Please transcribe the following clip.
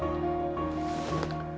apa boleh pak